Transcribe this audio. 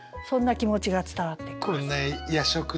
そんな気持ちが伝わってきます。